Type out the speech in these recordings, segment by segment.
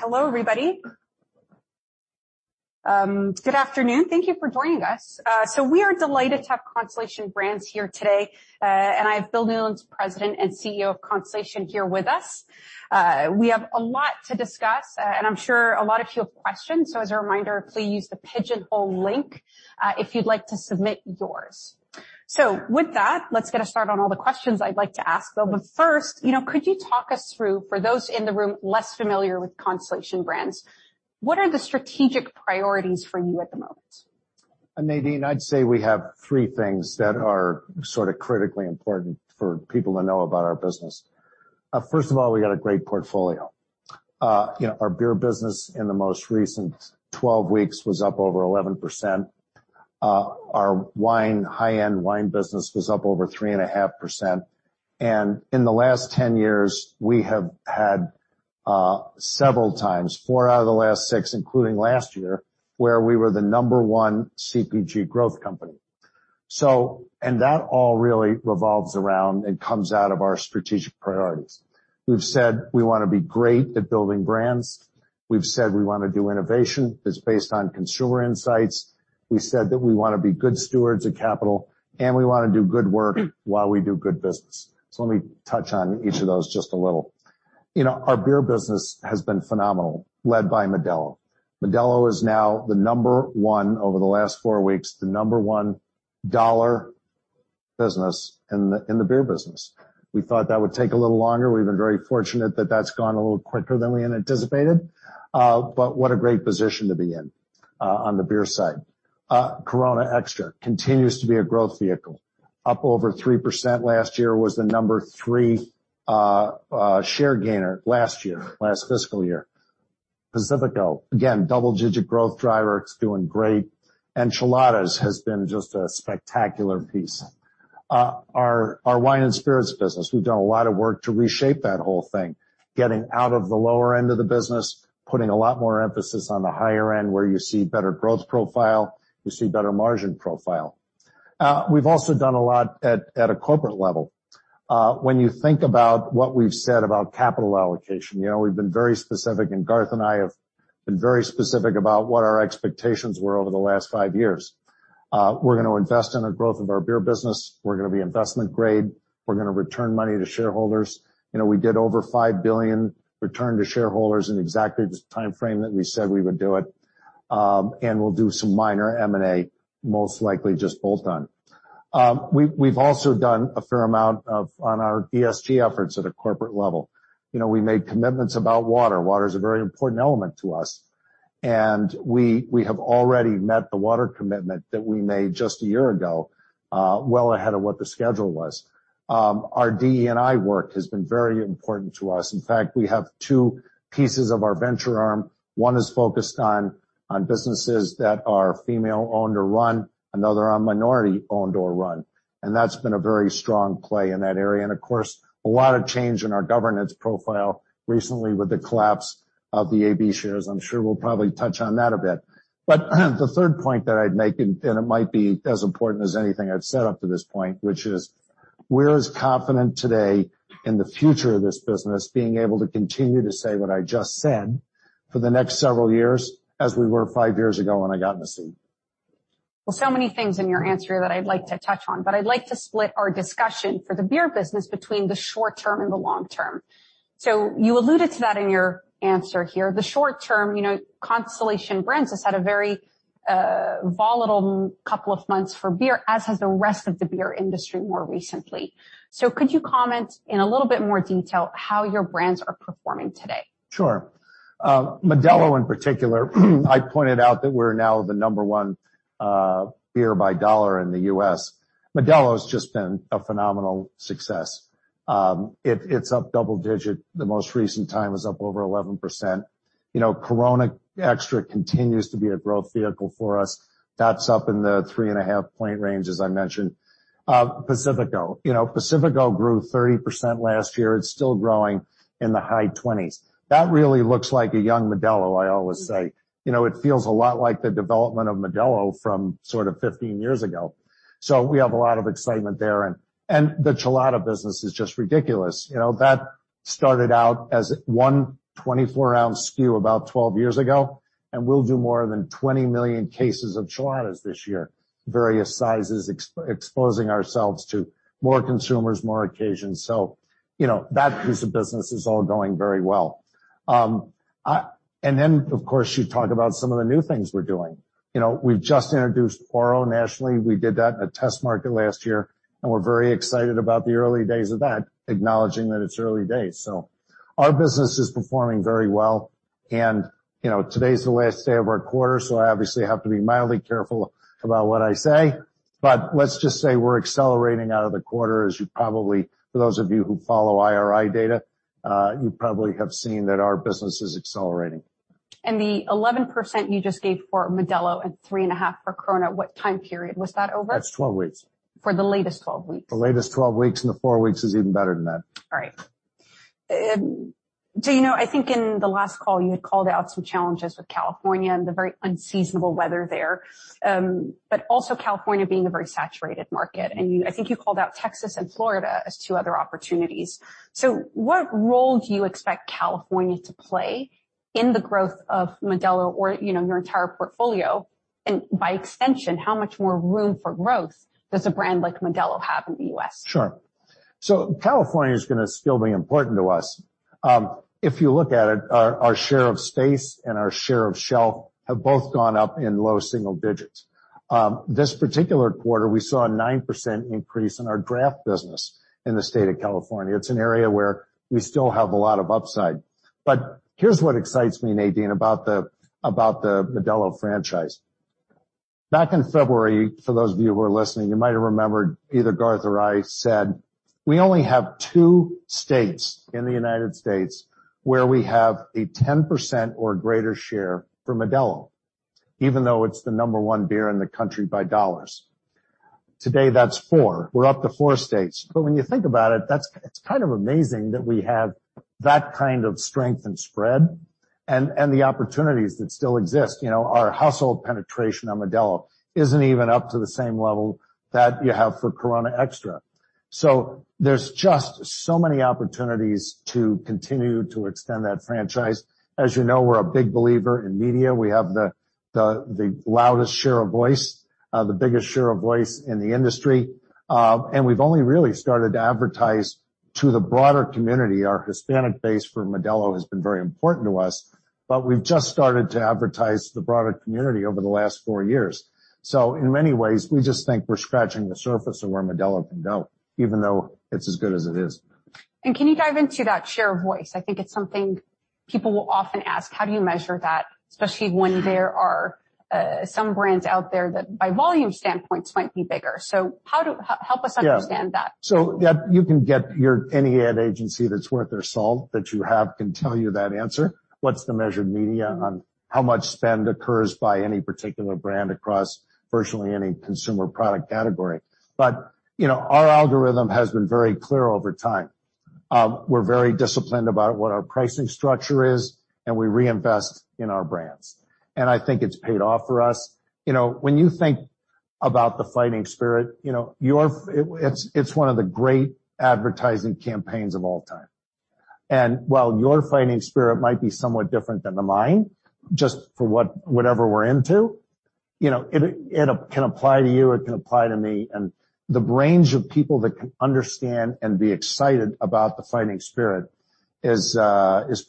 Hello, everybody. Good afternoon. Thank you for joining us. We are delighted to have Constellation Brands here today. I have Bill Newlands, President and CEO of Constellation, here with us. We have a lot to discuss, and I'm sure a lot of you have questions. As a reminder, please use the Pigeonhole link, if you'd like to submit yours. With that, let's get a start on all the questions I'd like to ask, Bill. First, you know, could you talk us through, for those in the room less familiar with Constellation Brands, what are the strategic priorities for you at the moment? Nadine, I'd say we have three things that are sort of critically important for people to know about our business. First of all, we got a great portfolio. You know, our beer business in the most recent 12 weeks was up over 11%. Our wine, high-end wine business was up over 3.5%, and in the last 10 years, we have had, several times, four out of the last six, including last year, where we were the number one CPG growth company. That all really revolves around and comes out of our strategic priorities. We've said we want to be great at building brands. We've said we want to do innovation that's based on consumer insights. We said that we want to be good stewards of capital, and we want to do good work while we do good business. Let me touch on each of those just a little. You know, our beer business has been phenomenal, led by Modelo. Modelo is now the number one, over the last four weeks, the number one dollar business in the beer business. We thought that would take a little longer. We've been very fortunate that that's gone a little quicker than we anticipated, but what a great position to be in on the beer side. Corona Extra continues to be a growth vehicle, up over 3% last year, was the number three share gainer last year, last fiscal year. Pacifico, again, double-digit growth driver, it's doing great, and Cheladas has been just a spectacular piece. Our wine and spirits business, we've done a lot of work to reshape that whole thing, getting out of the lower end of the business, putting a lot more emphasis on the higher end, where you see better growth profile, you see better margin profile. We've also done a lot at a corporate level. When you think about what we've said about capital allocation, you know, we've been very specific, and Garth and I have been very specific about what our expectations were over the last five years. We're gonna invest in the growth of our beer business. We're gonna be investment grade. We're gonna return money to shareholders. You know, we did over $5 billion return to shareholders in exactly the time frame that we said we would do it. We'll do some minor M&A, most likely just bolt-on. We've also done a fair amount of, on our ESG efforts at a corporate level. You know, we made commitments about water. Water is a very important element to us, and we have already met the water commitment that we made just a year ago, well ahead of what the schedule was. Our DE&I work has been very important to us. In fact, we have two pieces of our venture arm. One is focused on businesses that are female-owned or run, another on minority-owned or run. That's been a very strong play in that area, and of course, a lot of change in our governance profile recently with the collapse of the AB shares. I'm sure we'll probably touch on that a bit. The third point that I'd make, and it might be as important as anything I've said up to this point, which is, we're as confident today in the future of this business, being able to continue to say what I just said for the next several years, as we were five years ago when I got in the seat. So many things in your answer that I'd like to touch on, but I'd like to split our discussion for the beer business between the short term and the long term. You alluded to that in your answer here. The short term, you know, Constellation Brands has had a very volatile couple of months for beer, as has the rest of the beer industry more recently. Could you comment in a little bit more detail how your brands are performing today? Sure. Modelo in particular, I pointed out that we're now the number 1 beer by dollar in the U.S. Modelo's just been a phenomenal success. It, it's up double-digit. The most recent time was up over 11%. You know, Corona Extra continues to be a growth vehicle for us. That's up in the 3.5% point range, as I mentioned. Pacifico. You know, Pacifico grew 30% last year. It's still growing in the high 20s. That really looks like a young Modelo, I always say. You know, it feels a lot like the development of Modelo from sort of 15 years ago. We have a lot of excitement there, and the Chelada business is just ridiculous. You know, that started out as 1 24-ounce SKU about 12 years ago, and we'll do more than 20 million cases of Chelada this year, various sizes, exposing ourselves to more consumers, more occasions. You know, that piece of business is all going very well. Then, of course, you talk about some of the new things we're doing. You know, we've just introduced Oro nationally. We did that in a test market last year, and we're very excited about the early days of that, acknowledging that it's early days. Our business is performing very well, and, you know, today's the last day of our quarter, so I obviously have to be mildly careful about what I say. Let's just say we're accelerating out of the quarter, as you probably, for those of you who follow IRI data, you probably have seen that our business is accelerating. The 11% you just gave for Modelo and 3.5% for Corona, what time period was that over? That's 12 weeks. For the latest 12 weeks. The latest 12 weeks. The four weeks is even better than that. All right. Do you know, I think in the last call, you had called out some challenges with California and the very unseasonable weather there, but also California being a very saturated market, and I think you called out Texas and Florida as two other opportunities. What role do you expect California to play in the growth of Modelo or, you know, your entire portfolio? By extension, how much more room for growth does a brand like Modelo have in the US? Sure. California is gonna still be important to us. If you look at it, our share of space and our share of shelf have both gone up in low single digits. This particular quarter, we saw a 9% increase in our draft business in the state of California. It's an area where we still have a lot of upside. Here's what excites me, Nadine, about the Modelo franchise. Back in February, for those of you who are listening, you might have remembered either Garth or I said, "We only have two states in the United States where we have a 10% or greater share for Modelo, even though it's the number one beer in the country by dollars." Today, that's 4. We're up to 4 states. When you think about it's kind of amazing that we have that kind of strength and spread and the opportunities that still exist. You know, our household penetration on Modelo isn't even up to the same level that you have for Corona Extra. There's just so many opportunities to continue to extend that franchise. As you know, we're a big believer in media. We have the loudest share of voice, the biggest share of voice in the industry. We've only really started to advertise to the broader community. Our Hispanic base for Modelo has been very important to us, but we've just started to advertise to the broader community over the last four years. In many ways, we just think we're scratching the surface of where Modelo can go, even though it's as good as it is. Can you dive into that share of voice? I think it's something people will often ask, how do you measure that, especially when there are some brands out there that, by volume standpoints, might be bigger. Help us. Yeah. -understand that? Yeah, you can get any ad agency that's worth their salt, that you have, can tell you that answer. What's the measured media on how much spend occurs by any particular brand across virtually any consumer product category? You know, our algorithm has been very clear over time. We're very disciplined about what our pricing structure is, and we reinvest in our brands, and I think it's paid off for us. You know, when you think about the fighting spirit, you know, it's one of the great advertising campaigns of all time. While your fighting spirit might be somewhat different than mine, just for what, whatever we're into, you know, it can apply to you, it can apply to me. The range of people that can understand and be excited about the fighting spirit is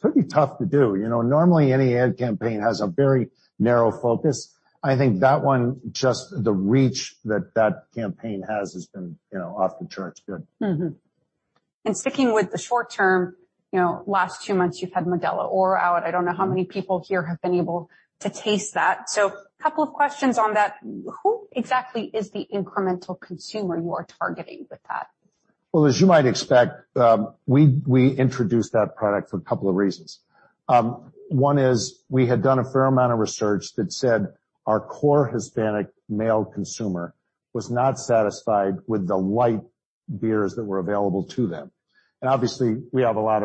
pretty tough to do. You know, normally, any ad campaign has a very narrow focus. I think that one, just the reach that that campaign has been, you know, off the charts good. Mm-hmm. Sticking with the short term, you know, last two months, you've had Modelo Oro out. I don't know how many people here have been able to taste that. A couple of questions on that. Who exactly is the incremental consumer you are targeting with that? Well, as you might expect, we introduced that product for a couple of reasons. One is we had done a fair amount of research that said our core Hispanic male consumer was not satisfied with the light beers that were available to them. Obviously, we have a lot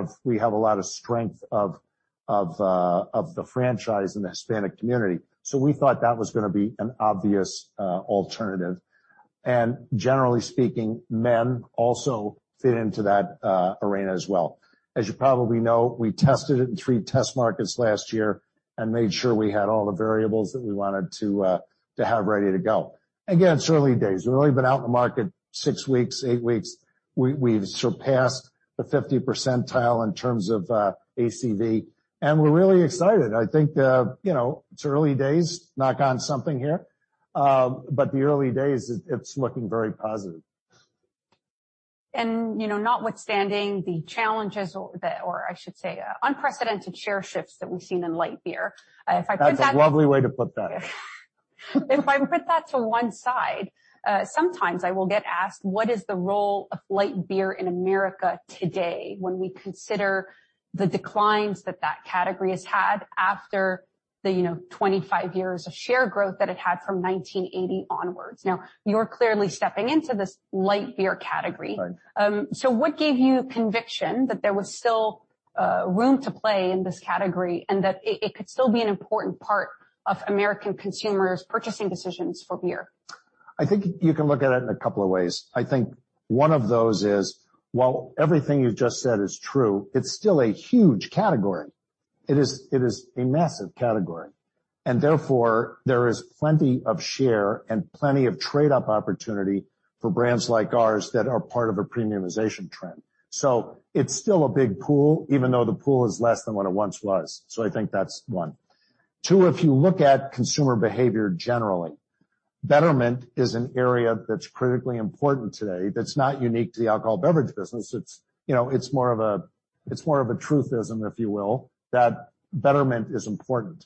of strength of the franchise in the Hispanic community, so we thought that was gonna be an obvious alternative. Generally speaking, men also fit into that arena as well. As you probably know, we tested it in three test markets last year and made sure we had all the variables that we wanted to have ready to go. It's early days. We've only been out in the market six weeks, eight weeks. We've surpassed the 50 percentile in terms of ACV, and we're really excited. I think, you know, it's early days, knock on something here, but the early days, it's looking very positive. You know, notwithstanding the challenges I should say, unprecedented share shifts that we've seen in light beer. That's a lovely way to put that. If I put that to one side, sometimes I will get asked: What is the role of light beer in America today when we consider the declines that that category has had after the, you know, 25 years of share growth that it had from 1980 onwards? You're clearly stepping into this light beer category. Right. What gave you conviction that there was still room to play in this category, and that it could still be an important part of American consumers' purchasing decisions for beer? I think you can look at it in a couple of ways. I think one of those is, while everything you've just said is true, it's still a huge category. It is, it is a massive category, and therefore, there is plenty of share and plenty of trade-up opportunity for brands like ours that are part of a premiumization trend. It's still a big pool, even though the pool is less than what it once was. I think that's one. Two, if you look at consumer behavior, generally, betterment is an area that's critically important today. That's not unique to the alcohol beverage business. It's, you know, it's more of a truthism, if you will, that betterment is important.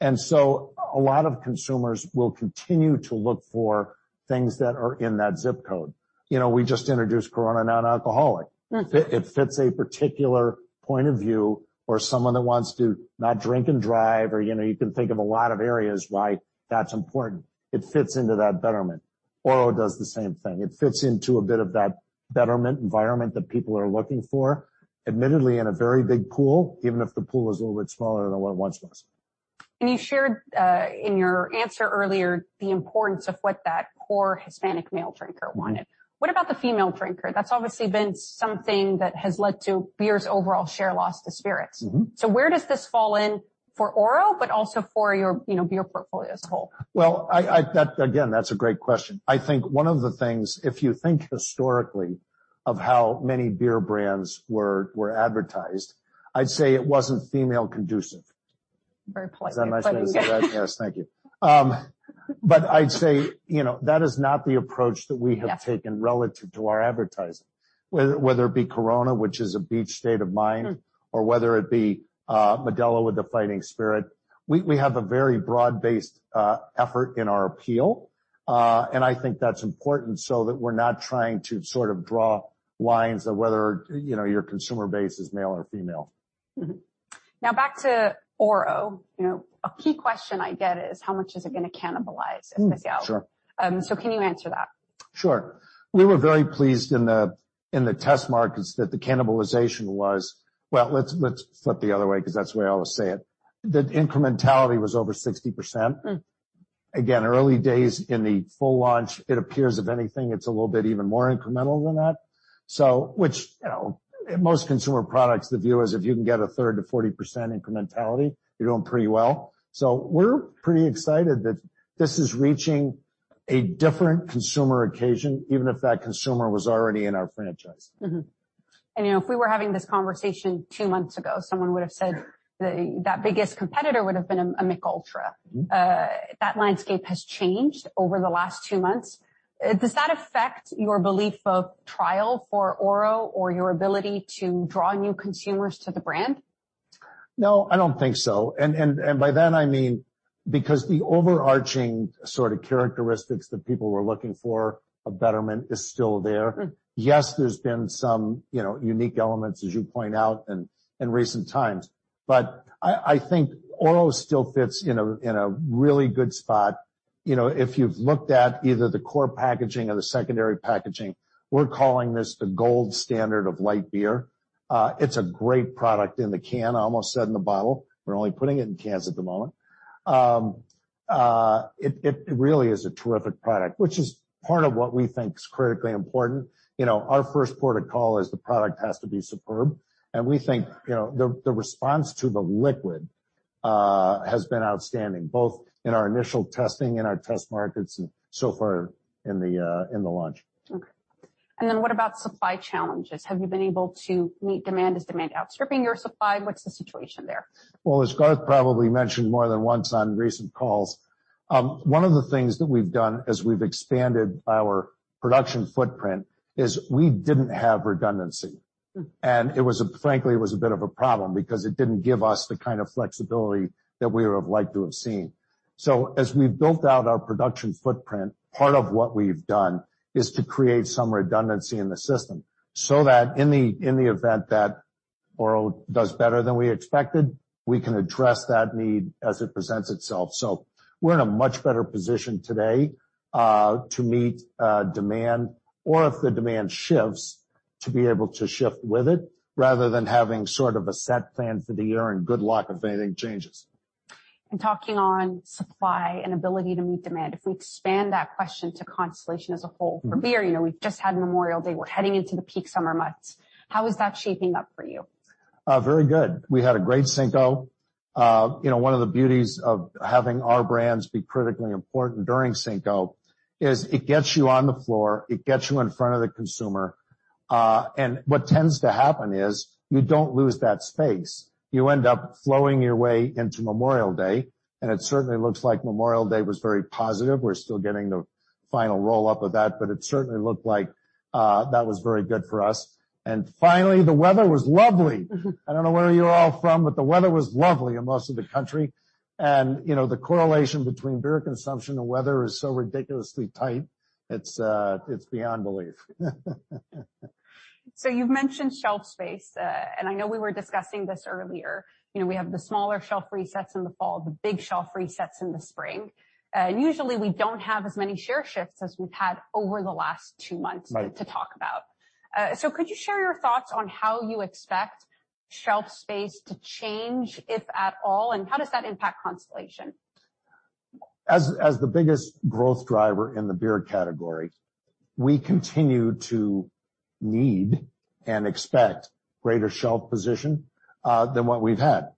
A lot of consumers will continue to look for things that are in that zip code. You know, we just introduced Corona Non-Alcoholic. Mm. It fits a particular point of view or someone that wants to not drink and drive or, you know, you can think of a lot of areas why that's important. It fits into that betterment. Oro does the same thing. It fits into a bit of that betterment environment that people are looking for, admittedly, in a very big pool, even if the pool is a little bit smaller than what it once was. You shared in your answer earlier, the importance of what that core Hispanic male drinker wanted. What about the female drinker? That's obviously been something that has led to beer's overall share loss to spirits. Mm-hmm. Where does this fall in for Oro, but also for your, you know, beer portfolio as a whole? Well, I, again, that's a great question. I think one of the things, if you think historically of how many beer brands were advertised, I'd say it wasn't female conducive. Very politely put. Is that nice way to say that? Yes, thank you. I'd say, you know, that is not the approach that we have-. Yeah... taken relative to our advertising, whether it be Corona, which is a beach state of mind. Mm. -or whether it be, Modelo with the fighting spirit. We have a very broad-based effort in our appeal. I think that's important so that we're not trying to sort of draw lines of whether, you know, your consumer base is male or female. Mm-hmm. Now back to Oro. You know, a key question I get is: How much is it gonna cannibalize in the gap? Sure. Can you answer that? Sure. We were very pleased in the test markets that the cannibalization was. Well, let's flip the other way, 'cause that's the way I always say it. The incrementality was over 60%. Mm. Early days in the full launch, it appears, if anything, it's a little bit even more incremental than that. Which, you know, most consumer products, the view is if you can get a 30% to 40% incrementality, you're doing pretty well. We're pretty excited that this is reaching a different consumer occasion, even if that consumer was already in our franchise. Mm-hmm. you know, if we were having this conversation two months ago, someone would've said the, that biggest competitor would've been a Michelob ULTRA. Mm-hmm. That landscape has changed over the last two months. Does that affect your belief of trial for Oro or your ability to draw new consumers to the brand? No, I don't think so. By that, I mean, because the overarching sort of characteristics that people were looking for, a betterment, is still there. Mm. Yes, there's been some, you know, unique elements, as you point out, in recent times, but I think Oro still fits in a, in a really good spot. You know, if you've looked at either the core packaging or the secondary packaging, we're calling this the gold standard of light beer. It's a great product in the can, I almost said in the bottle. We're only putting it in cans at the moment. It really is a terrific product, which is part of what we think is critically important. You know, our first port of call is the product has to be superb, and we think, you know, the response to the liquid has been outstanding, both in our initial testing, in our test markets, and so far in the in the launch. Okay. What about supply challenges? Have you been able to meet demand? Is demand outstripping your supply? What's the situation there? As Garth probably mentioned more than once on recent calls, one of the things that we've done as we've expanded our production footprint is we didn't have redundancy. Mm. It was a, frankly, it was a bit of a problem because it didn't give us the kind of flexibility that we would have liked to have seen. As we've built out our production footprint, part of what we've done is to create some redundancy in the system, so that in the event that Oro does better than we expected, we can address that need as it presents itself. We're in a much better position today, to meet demand or if the demand shifts, to be able to shift with it, rather than having sort of a set plan for the year, and good luck if anything changes. talking on supply and ability to meet demand, if we expand that question to Constellation as a whole Mm-hmm... for beer, you know, we've just had Memorial Day. We're heading into the peak summer months. How is that shaping up for you? Very good. We had a great Cinco. You know, one of the beauties of having our brands be critically important during Cinco is it gets you on the floor, it gets you in front of the consumer. What tends to happen is, you don't lose that space. You end up flowing your way into Memorial Day, and it certainly looks like Memorial Day was very positive. We're still getting the final roll-up of that, but it certainly looked like, that was very good for us. Finally, the weather was lovely! Mm-hmm. I don't know where you're all from, but the weather was lovely in most of the country. You know, the correlation between beer consumption and weather is so ridiculously tight, it's beyond belief. You've mentioned shelf space. I know we were discussing this earlier. You know, we have the smaller shelf resets in the fall, the big shelf resets in the spring. Usually, we don't have as many share shifts as we've had over the last two months. Right... to talk about. Could you share your thoughts on how you expect shelf space to change, if at all? How does that impact Constellation? As the biggest growth driver in the beer category, we continue to need and expect greater shelf position than what we've had.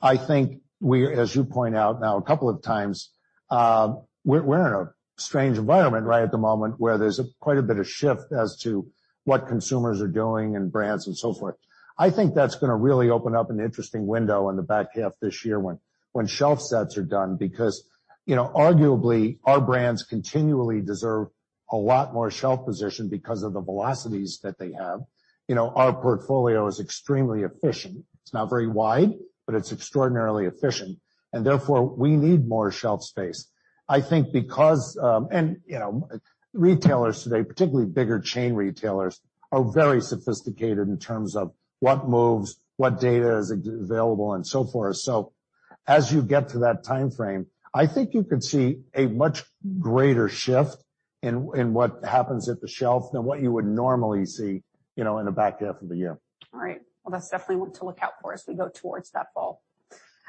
I think we, as you point out now 2 times, we're in a strange environment right at the moment, where there's a quite a bit of shift as to what consumers are doing and brands and so forth. I think that's gonna really open up an interesting window in the back half of this year when shelf sets are done, because, you know, arguably, our brands continually deserve a lot more shelf position because of the velocities that they have. You know, our portfolio is extremely efficient. It's not very wide, but it's extraordinarily efficient, and therefore, we need more shelf space. I think because... You know, retailers today, particularly bigger chain retailers, are very sophisticated in terms of what moves, what data is available, and so forth. As you get to that time frame, I think you could see a much greater shift in what happens at the shelf than what you would normally see, you know, in the back half of the year. All right. Well, that's definitely one to look out for as we go towards that fall.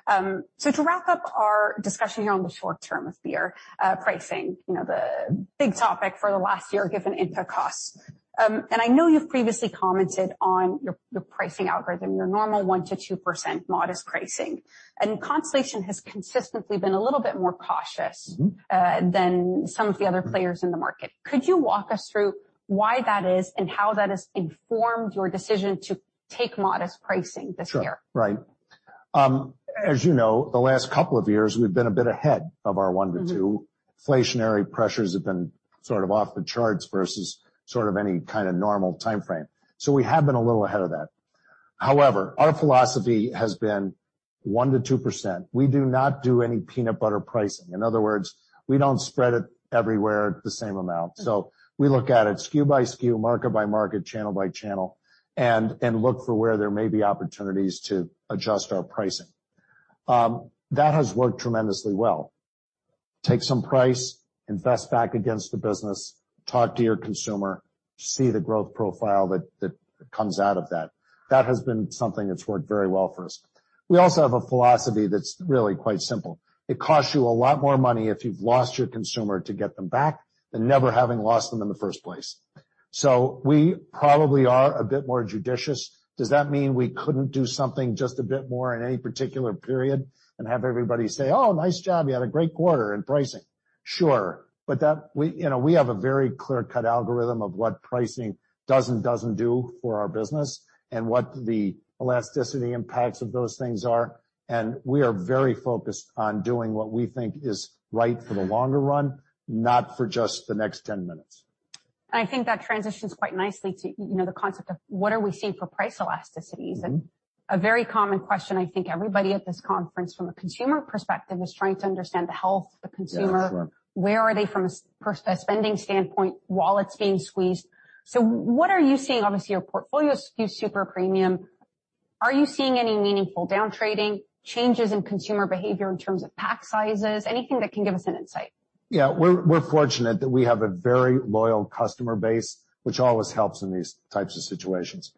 To wrap up our discussion here on the short term of beer, pricing, you know, the big topic for the last year, given input costs. I know you've previously commented on your pricing algorithm, your normal 1% to 2% modest pricing, and Constellation has consistently been a little bit more cautious. Mm-hmm. than some of the other players in the market. Could you walk us through why that is and how that has informed your decision to take modest pricing this year? Sure. Right. As you know, the last couple of years, we've been a bit ahead of our 1 to 2. Mm-hmm. Inflationary pressures have been sort of off the charts versus sort of any kind of normal time frame. We have been a little ahead of that. However, our philosophy has been 1%-2%. We do not do any peanut butter pricing. In other words, we don't spread it everywhere the same amount. Mm. We look at it SKU by SKU, market by market, channel by channel, and look for where there may be opportunities to adjust our pricing. That has worked tremendously well. Take some price, invest back against the business, talk to your consumer, see the growth profile that comes out of that. That has been something that's worked very well for us. We also have a philosophy that's really quite simple. It costs you a lot more money if you've lost your consumer to get them back than never having lost them in the first place. We probably are a bit more judicious. Does that mean we couldn't do something just a bit more in any particular period and have everybody say, "Oh, nice job, you had a great quarter in pricing?" Sure. We, you know, we have a very clear-cut algorithm of what pricing does and doesn't do for our business and what the elasticity impacts of those things are, and we are very focused on doing what we think is right for the longer run, not for just the next 10 minutes. I think that transitions quite nicely to, you know, the concept of what are we seeing for price elasticities? Mm-hmm. A very common question, I think everybody at this conference, from a consumer perspective, is trying to understand the health of the consumer. Yeah, sure. Where are they from a spending standpoint, wallets being squeezed. What are you seeing? Obviously, your portfolio is SKU super premium. Are you seeing any meaningful down trading, changes in consumer behavior in terms of pack sizes, anything that can give us an insight? Yeah, we're fortunate that we have a very loyal customer base, which always helps in these types of situations.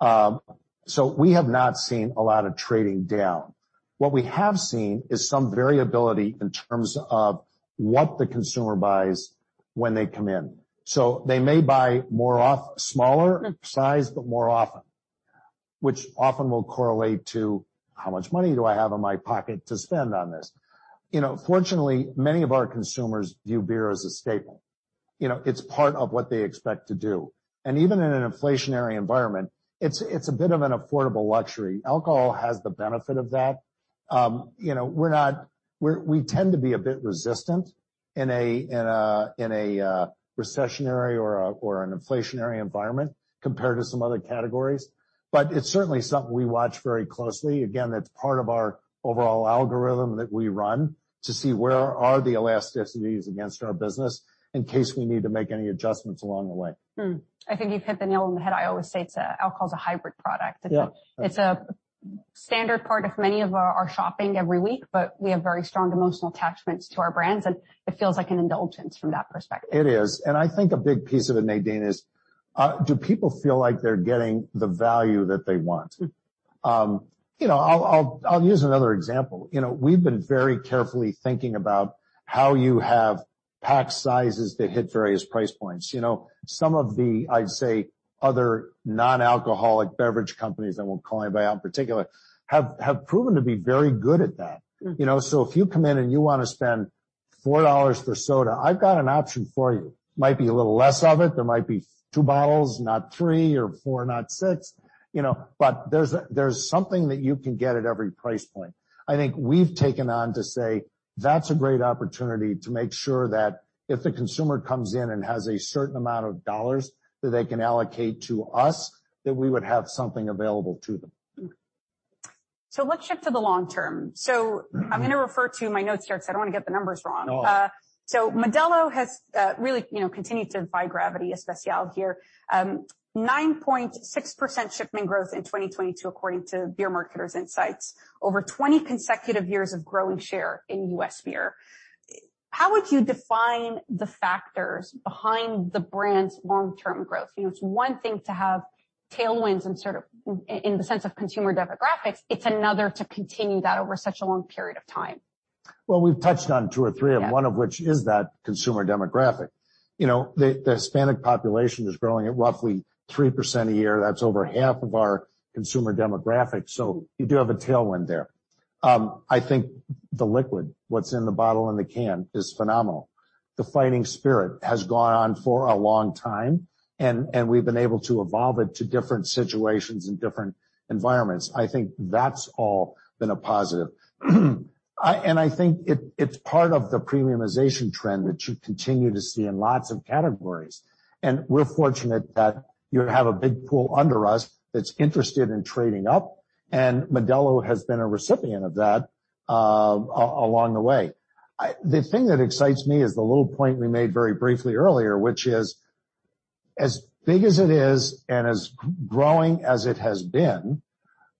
We have not seen a lot of trading down. What we have seen is some variability in terms of what the consumer buys when they come in. They may buy smaller size, but more often, which often will correlate to: How much money do I have in my pocket to spend on this? You know, fortunately, many of our consumers view beer as a staple. You know, it's part of what they expect to do. Even in an inflationary environment, it's a bit of an affordable luxury. Alcohol has the benefit of that. you know, we tend to be a bit resistant in a recessionary or an inflationary environment compared to some other categories. It's certainly something we watch very closely. That's part of our overall algorithm that we run to see where are the elasticities against our business in case we need to make any adjustments along the way. Hmm. I think you've hit the nail on the head. I always say alcohol is a hybrid product. Yeah. It's a standard part of many of our shopping every week, but we have very strong emotional attachments to our brands, and it feels like an indulgence from that perspective. It is. I think a big piece of it, Nadine, is, do people feel like they're getting the value that they want? You know, I'll use another example. You know, we've been very carefully thinking about how you have pack sizes that hit various price points. You know, some of the, I'd say, other non-alcoholic beverage companies, I won't call anybody out in particular, have proven to be very good at that. Mm. You know, if you come in and you wanna spend $4 for soda, I've got an option for you. Might be a little less of it. There might be 2 bottles, not 3, or 4, not 6, you know, there's something that you can get at every price point. I think we've taken on to say that's a great opportunity to make sure that if the consumer comes in and has a certain amount of dollars that they can allocate to us, that we would have something available to them. Mm-hmm. Let's shift to the long term. Mm-hmm. I'm gonna refer to my notes here, because I don't want to get the numbers wrong. No. Modelo has, really, you know, continued to defy gravity, especially here. 9.6% shipment growth in 2022, according to Beer Marketer's Insights. Over 20 consecutive years of growing share in U.S. beer. How would you define the factors behind the brand's long-term growth? You know, it's one thing to have tailwinds in sort of, in the sense of consumer demographics, it's another to continue that over such a long period of time. Well, we've touched on two or three. Yeah of them, one of which is that consumer demographic. You know, the Hispanic population is growing at roughly 3% a year. That's over half of our consumer demographic, so you do have a tailwind there. I think the liquid, what's in the bottle and the can, is phenomenal. The fighting spirit has gone on for a long time, and we've been able to evolve it to different situations and different environments. I think that's all been a positive. I think it's part of the premiumization trend that you continue to see in lots of categories. We're fortunate that you have a big pool under us that's interested in trading up, and Modelo has been a recipient of that along the way. The thing that excites me is the little point we made very briefly earlier, which is-... As big as it is, and as growing as it has been,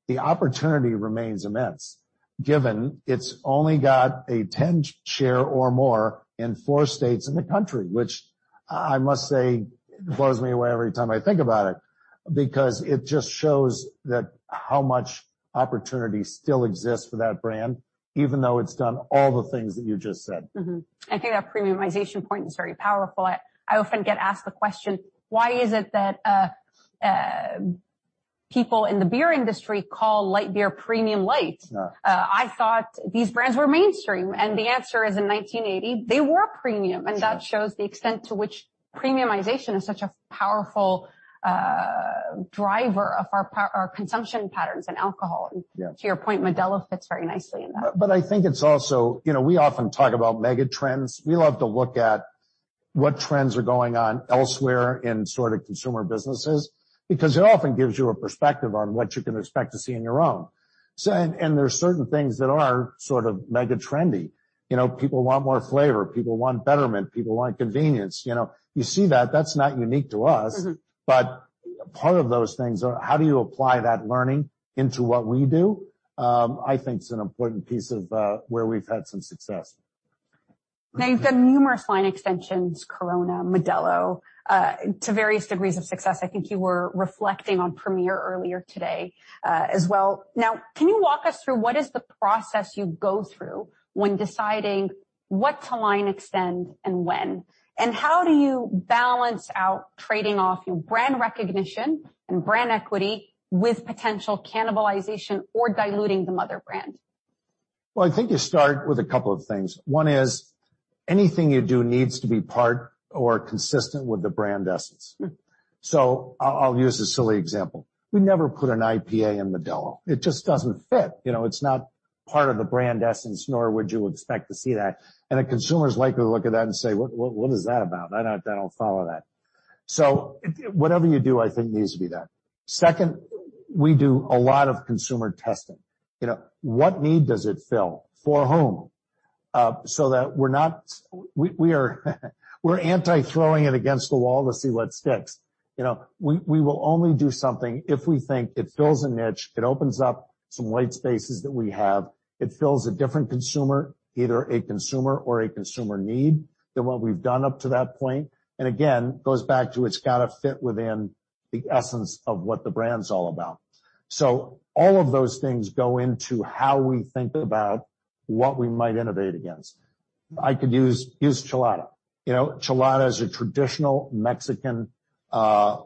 the opportunity remains immense, given it's only got a 10% share or more in four states in the country, which I must say, blows me away every time I think about it, because it just shows that how much opportunity still exists for that brand, even though it's done all the things that you just said. I think that premiumization point is very powerful. I often get asked the question: Why is it that people in the beer industry call light beer premium light? Yeah. I thought these brands were mainstream. The answer is, in 1980, they were premium. Sure. that shows the extent to which premiumization is such a powerful driver of our consumption patterns in alcohol. Yeah. To your point, Modelo fits very nicely in that. I think it's also, you know, we often talk about megatrends. We love to look at what trends are going on elsewhere in sort of consumer businesses, because it often gives you a perspective on what you can expect to see on your own. And there are certain things that are sort of megatrendy. You know, people want more flavor, people want betterment, people want convenience. You know, you see that's not unique to us. Mm-hmm. Part of those things are how do you apply that learning into what we do? I think it's an important piece of where we've had some success. You've done numerous line extensions, Corona, Modelo, to various degrees of success. I think you were reflecting on Premier earlier today as well. Can you walk us through what is the process you go through when deciding what to line extend and when? How do you balance out trading off your brand recognition and brand equity with potential cannibalization or diluting the mother brand? I think you start with a couple of things. One is, anything you do needs to be part or consistent with the brand essence. Mm-hmm. I'll use a silly example. We never put an IPA in Modelo. It just doesn't fit. You know, it's not part of the brand essence, nor would you expect to see that. The consumers likely to look at that and say, "What is that about? I don't follow that." Whatever you do, I think needs to be that. Second, we do a lot of consumer testing. You know, what need does it fill, for whom? So that we're anti-throwing it against the wall to see what sticks. You know, we will only do something if we think it fills a niche, it opens up some white spaces that we have. It fills a different consumer, either a consumer or a consumer need, than what we've done up to that point. Again, it goes back to it's got to fit within the essence of what the brand's all about. All of those things go into how we think about what we might innovate against. I could use Chelada. You know, Chelada is a traditional Mexican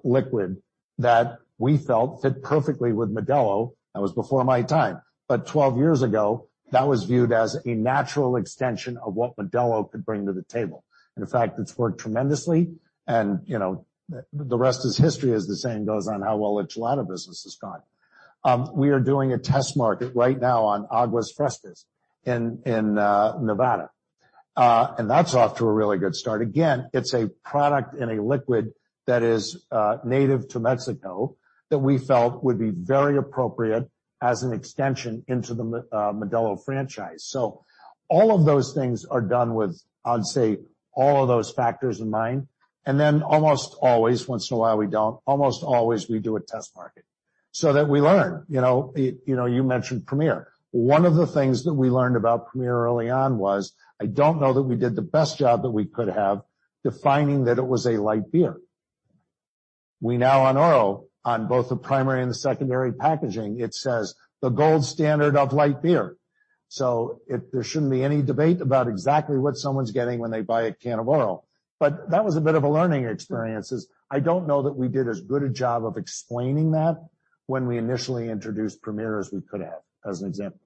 liquid that we felt fit perfectly with Modelo. That was before my time, but 12 years ago, that was viewed as a natural extension of what Modelo could bring to the table. In fact, it's worked tremendously, and, you know, the rest is history, as the saying goes, on how well the Chelada business has gone. We are doing a test market right now on Aguas Frescas in Nevada, and that's off to a really good start. Again, it's a product in a liquid that is native to Mexico, that we felt would be very appropriate as an extension into the Modelo franchise. All of those things are done with, I'd say, all of those factors in mind. Almost always, once in a while, we don't, almost always we do a test market so that we learn. You know, you mentioned Premier. One of the things that we learned about Premier early on was, I don't know that we did the best job that we could have, defining that it was a light beer. We now on Oro, on both the primary and the secondary packaging, it says, "The gold standard of light beer." There shouldn't be any debate about exactly what someone's getting when they buy a can of Oro. That was a bit of a learning experience, is I don't know that we did as good a job of explaining that when we initially introduced Premier, as we could have, as an example.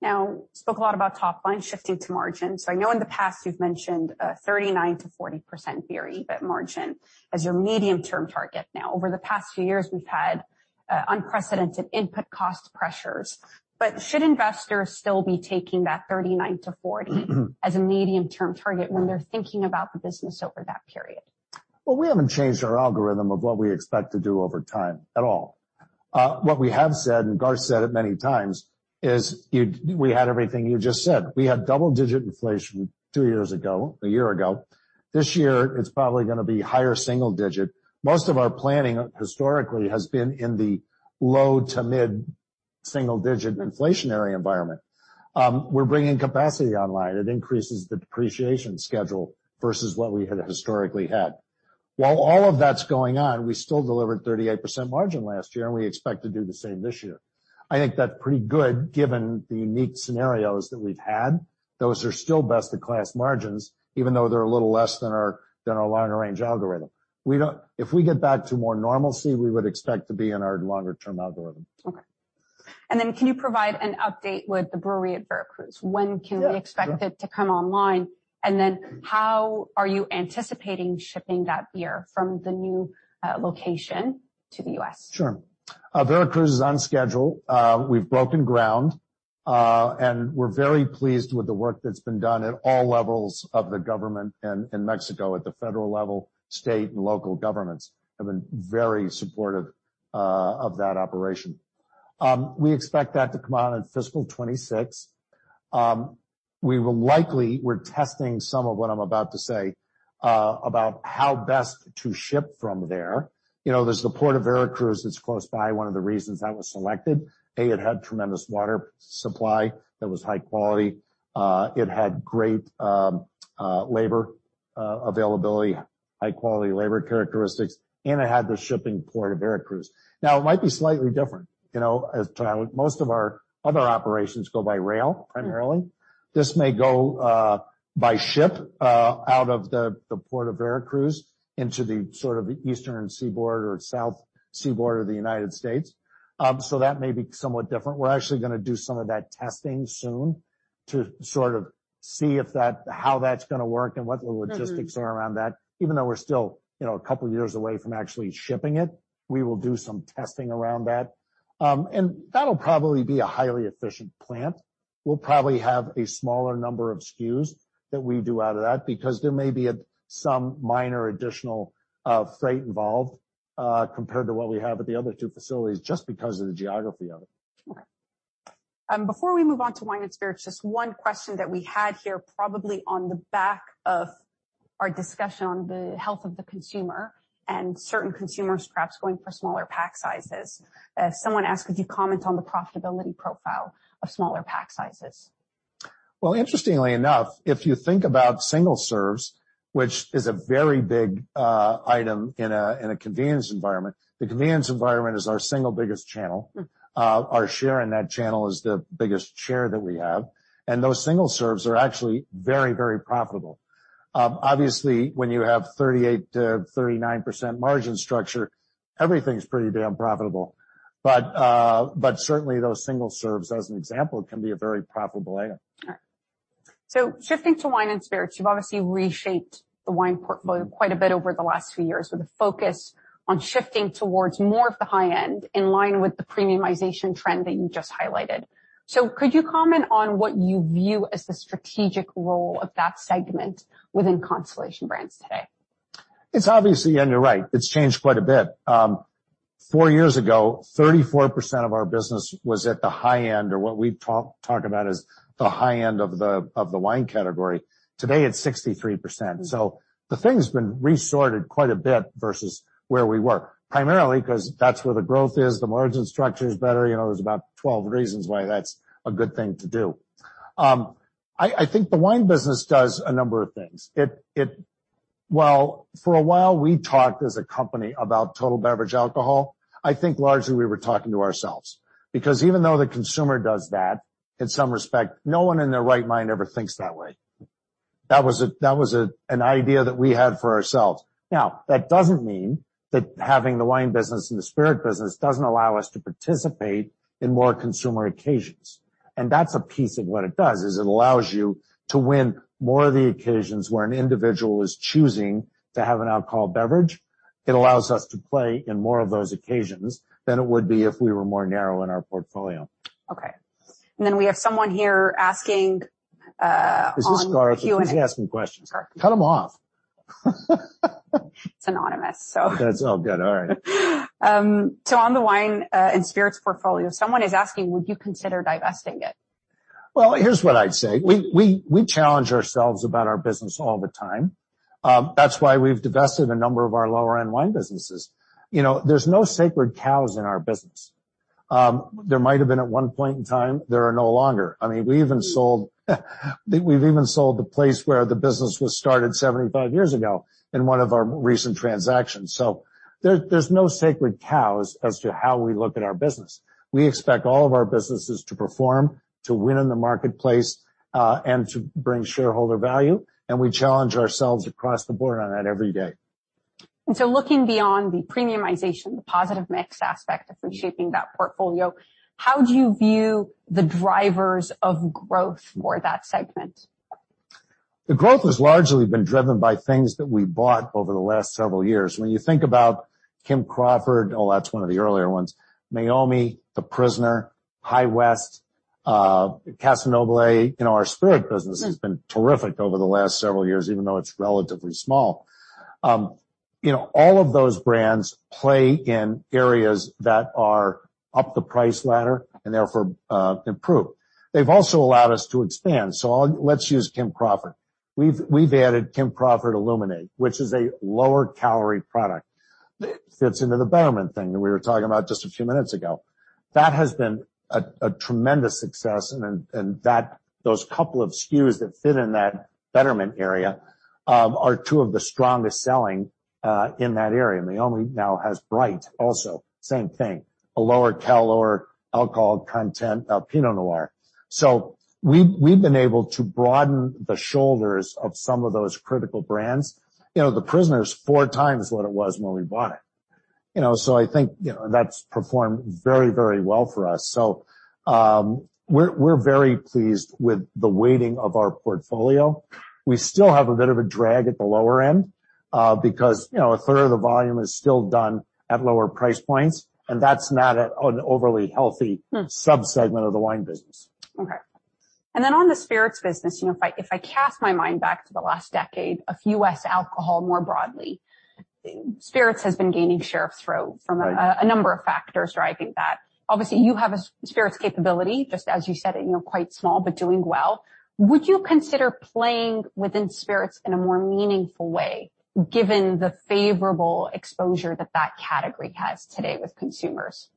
Makes sense. Spoke a lot about top line shifting to margin. I know in the past you've mentioned a 39%-40% EBIT margin as your medium-term target. Over the past few years, we've had unprecedented input cost pressures, should investors still be taking that 39 to 40- Mm-hmm as a medium-term target when they're thinking about the business over that period? Well, we haven't changed our algorithm of what we expect to do over time at all. What we have said, and Garth said it many times, we had everything you just said. We had double-digit inflation two years ago, a year ago. This year, it's probably gonna be higher single digit. Most of our planning historically has been in the low to mid single digit inflationary environment. We're bringing capacity online. It increases the depreciation schedule versus what we had historically had. While all of that's going on, we still delivered 38% margin last year, and we expect to do the same this year. I think that's pretty good, given the unique scenarios that we've had. Those are still best in class margins, even though they're a little less than our, than our longer range algorithm. If we get back to more normalcy, we would expect to be in our longer-term algorithm. Okay. Can you provide an update with the brewery at Veracruz? Yeah. When can we expect it to come online? How are you anticipating shipping that beer from the new location to the U.S.? Sure. Veracruz is on schedule. We've broken ground, and we're very pleased with the work that's been done at all levels of the government in Mexico, at the federal level, state, and local governments have been very supportive of that operation. We expect that to come out in fiscal 26. We will likely, we're testing some of what I'm about to say, about how best to ship from there. You know, there's the Port of Veracruz that's close by. One of the reasons that was selected, A, it had tremendous water supply that was high quality. It had great labor availability, high-quality labor characteristics, and it had the shipping Port of Veracruz. It might be slightly different. You know, as most of our other operations go by rail, primarily, this may go by ship out of the Port of Veracruz into the sort of eastern seaboard or south seaboard of the United States. That may be somewhat different. We're actually gonna do some of that testing soon to sort of see how that's gonna work and what the logistics are around that. Even though we're still, you know, a couple of years away from actually shipping it, we will do some testing around that. That'll probably be a highly efficient plant. We'll probably have a smaller number of SKUs that we do out of that, because there may be some minor additional freight involved compared to what we have at the other two facilities, just because of the geography of it. Okay. Before we move on to wine and spirits, just one question that we had here, probably on the back of our discussion on the health of the consumer and certain consumers perhaps going for smaller pack sizes. Someone asked: Could you comment on the profitability profile of smaller pack sizes? Interestingly enough, if you think about single serves, which is a very big item in a, in a convenience environment, the convenience environment is our single biggest channel. Mm. Our share in that channel is the biggest share that we have, and those single serves are actually very, very profitable. Obviously, when you have 38%-39% margin structure, everything's pretty damn profitable. Certainly, those single serves, as an example, can be a very profitable item. All right. Shifting to wine and spirits, you've obviously reshaped the wine portfolio quite a bit over the last few years, with a focus on shifting towards more of the high end, in line with the premiumization trend that you just highlighted. Could you comment on what you view as the strategic role of that segment within Constellation Brands today? It's obviously... you're right, it's changed quite a bit. four years ago, 34% of our business was at the high end, or what we talk about as the high end of the wine category. Today, it's 63%. Mm. The thing's been resorted quite a bit versus where we were, primarily, 'cause that's where the growth is, the margin structure is better. You know, there's about 12 reasons why that's a good thing to do. I think the wine business does a number of things. Well, for a while we talked as a company about total beverage alcohol. I think largely we were talking to ourselves, because even though the consumer does that, in some respect, no one in their right mind ever thinks that way. That was a, that was a, an idea that we had for ourselves. That doesn't mean that having the wine business and the spirit business doesn't allow us to participate in more consumer occasions, and that's a piece of what it does, is it allows you to win more of the occasions where an individual is choosing to have an alcohol beverage. It allows us to play in more of those occasions than it would be if we were more narrow in our portfolio. Okay. We have someone here asking. This is Scarlett. Who's asking questions? Sorry. Cut them off. It's anonymous, so. That's all good. All right. On the wine and spirits portfolio, someone is asking: Would you consider divesting it? Here's what I'd say. We challenge ourselves about our business all the time. That's why we've divested a number of our lower-end wine businesses. You know, there's no sacred cows in our business. There might have been at one point in time, there are no longer. I mean, we've even sold the place where the business was started 75 years ago in one of our recent transactions. There's no sacred cows as to how we look at our business. We expect all of our businesses to perform, to win in the marketplace, and to bring shareholder value, and we challenge ourselves across the board on that every day. Looking beyond the premiumization, the positive mix aspect of reshaping that portfolio, how do you view the drivers of growth for that segment? The growth has largely been driven by things that we bought over the last several years. When you think about Kim Crawford, oh, that's one of the earlier ones. Meiomi, The Prisoner, High West, Casa Noble, you know, our spirit business... Mm has been terrific over the last several years, even though it's relatively small. you know, all of those brands play in areas that are up the price ladder and therefore improve. They've also allowed us to expand. Let's use Kim Crawford. We've added Kim Crawford Illuminate, which is a lower-calorie product. It fits into the betterment thing that we were talking about just a few minutes ago. That has been a tremendous success, and then, and that, those couple of SKUs that fit in that betterment area, are two of the strongest selling in that area. Meiomi now has Bright also, same thing, a lower cal, lower alcohol content of Pinot Noir. So we've been able to broaden the shoulders of some of those critical brands. You know, The Prisoner is 4 times what it was when we bought it. You know, I think, you know, that's performed very, very well for us. We're very pleased with the weighting of our portfolio. We still have a bit of a drag at the lower end, because, you know, a third of the volume is still done at lower price points, and that's not an overly healthy. Mm. subsegment of the wine business. Okay. On the spirits business, you know, if I cast my mind back to the last decade of U.S. alcohol, more broadly. Spirits has been gaining share of throat from. Right. A number of factors driving that. Obviously, you have a spirits capability, just as you said it, you know, quite small, but doing well. Would you consider playing within spirits in a more meaningful way, given the favorable exposure that that category has today with consumers?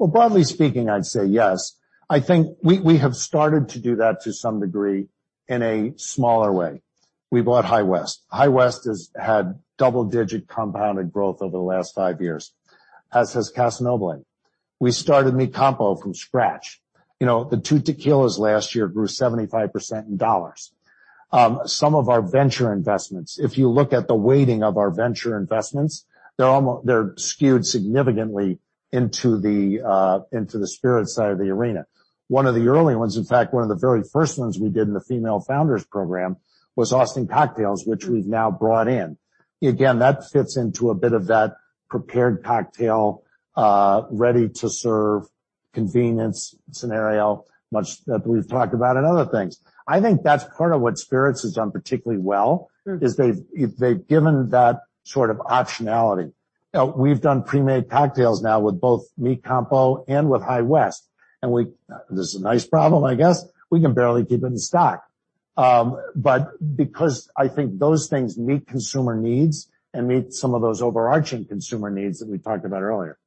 Broadly speaking, I'd say yes. I think we have started to do that to some degree, in a smaller way. We bought High West. High West has had double-digit compounded growth over the last 5 years, as has Casamigos. We started Mi CAMPO from scratch. You know, the two tequilas last year grew 75% in dollars. Some of our venture investments, if you look at the weighting of our venture investments, they're skewed significantly into the spirits side of the arena. One of the early ones, in fact, one of the very first ones we did in the Female Founders program, was Austin Cocktails, which we've now brought in. Again, that fits into a bit of that prepared cocktail, ready-to-serve convenience scenario, much that we've talked about in other things. I think that's part of what Spirits has done particularly well. Mm-hmm. -is they've given that sort of optionality. We've done pre-made cocktails now with both Mi CAMPO and with High West, and this is a nice problem, I guess, we can barely keep it in stock. Because I think those things meet consumer needs and meet some of those overarching consumer needs that we talked about earlier.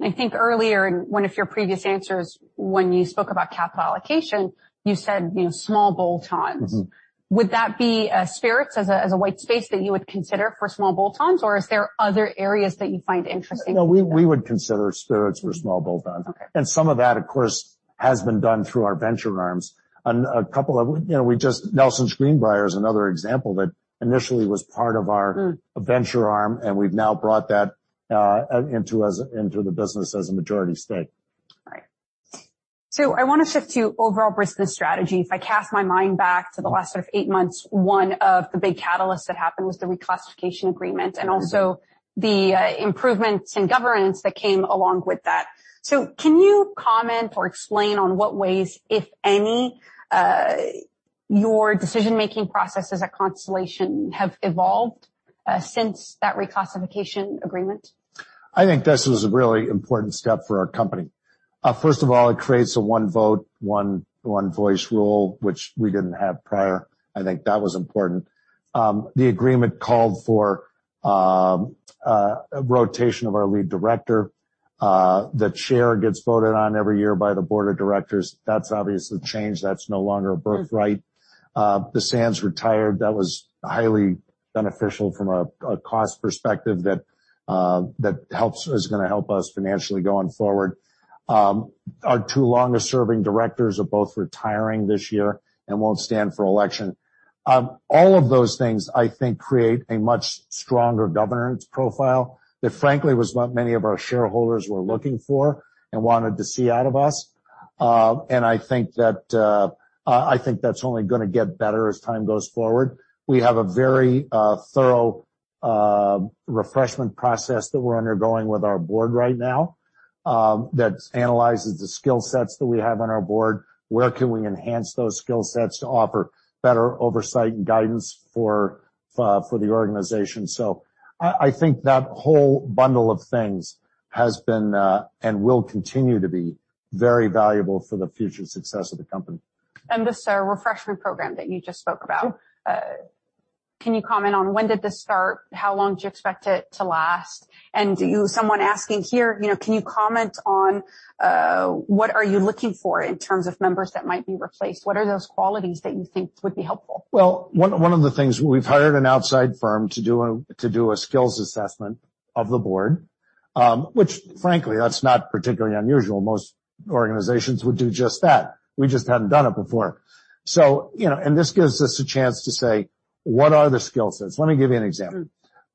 I think earlier, in one of your previous answers, when you spoke about capital allocation, you said, you know small bolt-ons. Mm-hmm. Would that be, spirits as a, as a white space that you would consider for small bolt-ons? Or is there other areas that you find interesting? No, we would consider spirits for small bolt-ons. Okay. Some of that, of course, has been done through our venture arms. A couple of, you know, Nelson's Green Brier is another example that initially was part of our... Mm. -venture arm, and we've now brought that into the business as a majority stake. All right. I want to shift to overall business strategy. If I cast my mind back to the last sort of eight months, one of the big catalysts that happened was the reclassification agreement. Mm-hmm. Also the improvements in governance that came along with that. Can you comment or explain on what ways, if any, your decision-making processes at Constellation have evolved since that reclassification agreement? I think this was a really important step for our company. First of all, it creates a one vote, one voice rule, which we didn't have prior. I think that was important. The agreement called for a rotation of our lead director. The chair gets voted on every year by the board of directors. That's obviously changed. That's no longer a birthright. Mm. The Sands retired. That was highly beneficial from a cost perspective that is gonna help us financially going forward. Our two longest-serving directors are both retiring this year and won't stand for election. All of those things, I think, create a much stronger governance profile that, frankly, was what many of our shareholders were looking for and wanted to see out of us. I think that, I think that's only gonna get better as time goes forward. We have a very thorough refreshment process that we're undergoing with our board right now, that analyzes the skill sets that we have on our board. Where can we enhance those skill sets to offer better oversight and guidance for the organization? I think that whole bundle of things has been and will continue to be very valuable for the future success of the company. This refreshment program that you just spoke about. Sure. Can you comment on when did this start? How long do you expect it to last? Someone asking here, you know, can you comment on, what are you looking for in terms of members that might be replaced? What are those qualities that you think would be helpful? Well, one of the things, we've hired an outside firm to do a skills assessment of the board. Which frankly, that's not particularly unusual. Most organizations would do just that. We just hadn't done it before. You know, this gives us a chance to say: What are the skill sets? Mm. Let me give you an example.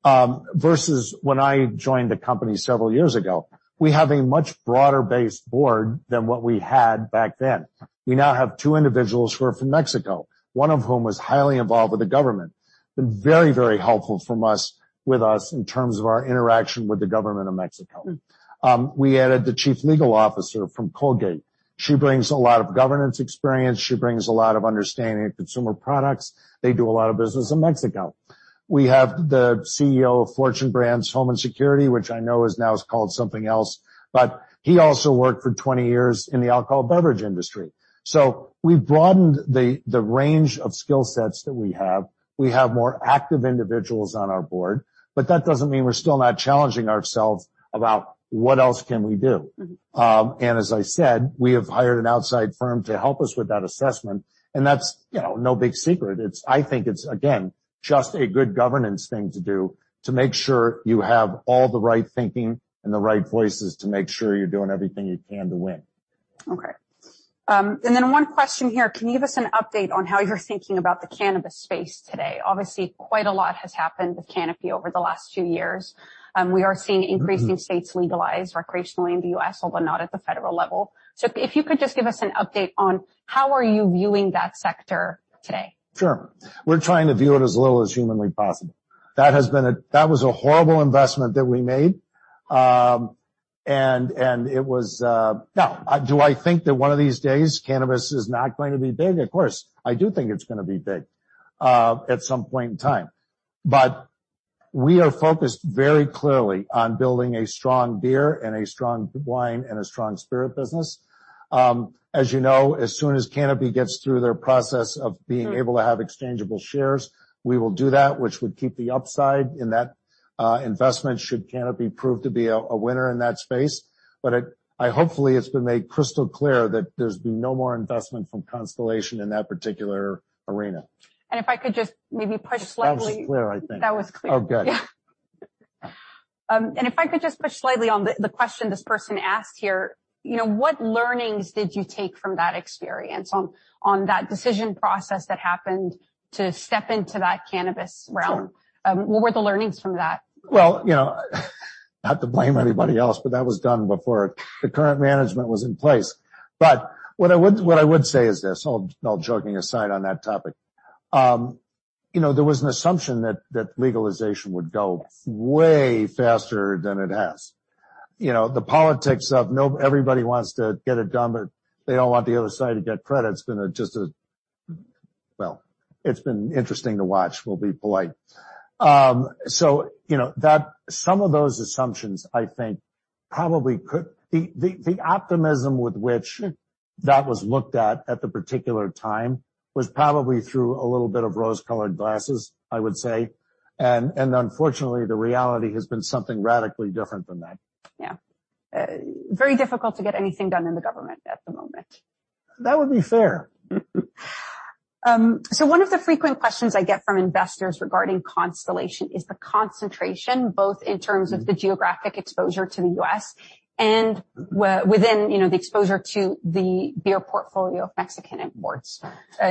Mm. Versus when I joined the company several years ago, we have a much broader-based board than what we had back then. We now have two individuals who are from Mexico, one of whom was highly involved with the government. Been very, very helpful from us, with us, in terms of our interaction with the government of Mexico. Mm. We added the chief legal officer from Colgate. She brings a lot of governance experience. She brings a lot of understanding of consumer products. They do a lot of business in Mexico. We have the CEO of Fortune Brands Home & Security, which I know is now is called something else, but he also worked for 20 years in the alcohol beverage industry. We've broadened the range of skill sets that we have. We have more active individuals on our board, but that doesn't mean we're still not challenging ourselves about what else can we do. Mm-hmm. as I said, we have hired an outside firm to help us with that assessment, and that's, you know, no big secret. I think it's, again, just a good governance thing to do to make sure you have all the right thinking and the right voices to make sure you're doing everything you can to win. Okay. Then one question here: Can you give us an update on how you're thinking about the cannabis space today? Obviously, quite a lot has happened with Canopy over the last two years. Mm-hmm. increasing states legalize recreationally in the U.S., although not at the federal level. If you could just give us an update on how are you viewing that sector today? Sure. We're trying to view it as little as humanly possible. That was a horrible investment that we made. It was, now, do I think that one of these days, cannabis is not going to be big? Of course, I do think it's gonna be big at some point in time. We are focused very clearly on building a strong beer and a strong wine and a strong spirit business. As you know, as soon as Canopy gets through their process of being able to have exchangeable shares, we will do that, which would keep the upside in that investment, should Canopy prove to be a winner in that space. I hopefully, it's been made crystal clear that there's been no more investment from Constellation in that particular arena. If I could just maybe push slightly. That was clear, I think. That was clear. Oh, good. If I could just push slightly on the question this person asked here, you know, what learnings did you take from that experience, on that decision process that happened to step into that cannabis realm? Sure. What were the learnings from that? Well, you know, not to blame anybody else, but that was done before the current management was in place. What I would say is this, all joking aside on that topic, you know, there was an assumption that legalization would go way faster than it has. You know, the politics of everybody wants to get it done, but they all want the other side to get credit. Well, it's been interesting to watch. We'll be polite. You know, some of those assumptions, I think, probably the optimism with which that was looked at the particular time, was probably through a little bit of rose-colored glasses, I would say. Unfortunately, the reality has been something radically different than that. Yeah. Very difficult to get anything done in the government at the moment. That would be fair. One of the frequent questions I get from investors regarding Constellation is the concentration, both in terms of the geographic exposure to the U.S. and within, you know, the exposure to the beer portfolio of Mexican imports.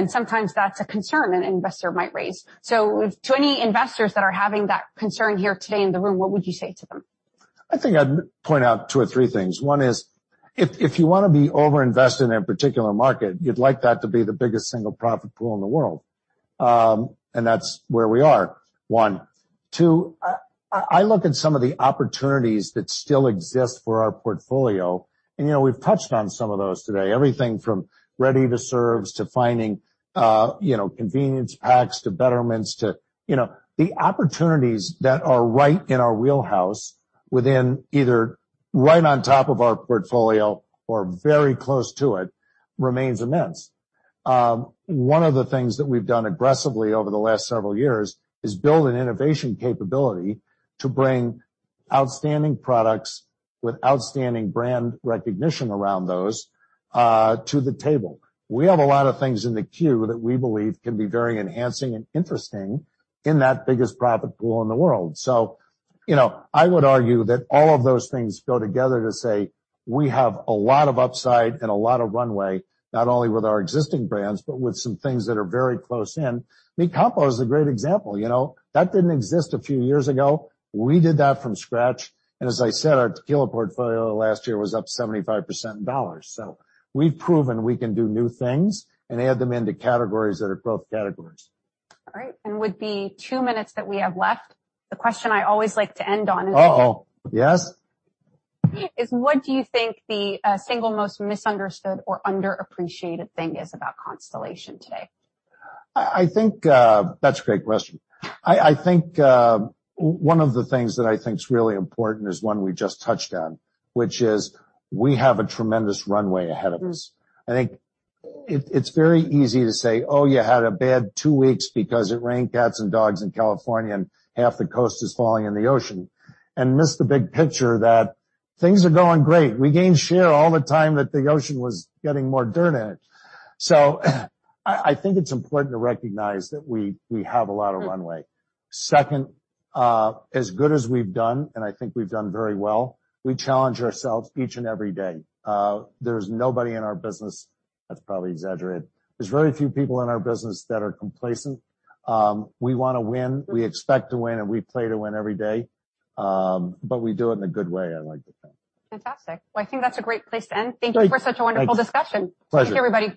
Sometimes that's a concern an investor might raise. To any investors that are having that concern here today in the room, what would you say to them? I think I'd point out two or three things. One is, if you wanna be overinvested in a particular market, you'd like that to be the biggest single profit pool in the world. That's where we are, one. Two, I look at some of the opportunities that still exist for our portfolio, and, you know, we've touched on some of those today. Everything from ready to serves, to finding, you know, convenience packs, to betterments, to, you know, the opportunities that are right in our wheelhouse, within either right on top of our portfolio or very close to it, remains immense. One of the things that we've done aggressively over the last several years is build an innovation capability to bring outstanding products with outstanding brand recognition around those, to the table. We have a lot of things in the queue that we believe can be very enhancing and interesting in that biggest profit pool in the world. You know, I would argue that all of those things go together to say, we have a lot of upside and a lot of runway, not only with our existing brands, but with some things that are very close in. Mi Campo is a great example, you know? That didn't exist a few years ago. We did that from scratch, and as I said, our tequila portfolio last year was up 75% in dollars. We've proven we can do new things and add them into categories that are growth categories. All right, with the two minutes that we have left, the question I always like to end on is. Uh-oh. Yes? What do you think the single most misunderstood or underappreciated thing is about Constellation today? I think. That's a great question. I think one of the things that I think is really important is one we just touched on, which is, we have a tremendous runway ahead of us. Mm. I think it's very easy to say, "Oh, you had a bad two weeks because it rained cats and dogs in California, and half the coast is falling in the ocean," and miss the big picture, that things are going great. We gained share all the time that the ocean was getting more dirt in it. I think it's important to recognize that we have a lot of runway. Second, as good as we've done, and I think we've done very well, we challenge ourselves each and every day. There's nobody in our business, that's probably exaggerated. There's very few people in our business that are complacent. We wanna win, we expect to win, and we play to win every day. We do it in a good way, I like to think. Fantastic. Well, I think that's a great place to end. Great. Thank you for such a wonderful discussion. Pleasure. Thank you, everybody.